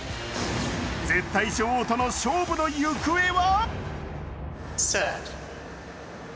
絶対女王との勝負の行方は？